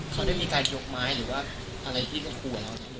เขาได้มีการยกไม้หรือว่าอะไรที่เขาข่วน